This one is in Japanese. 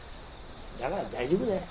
だから大丈夫だよ。